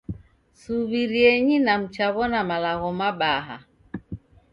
Suw'irienyi na mchaw'ona malagho mabaha